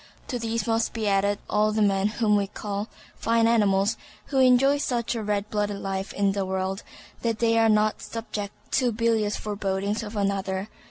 To these must be added all the men whom we call fine animals, who enjoy such a red blooded life in this world that they are not subject to bilious forebodings of another.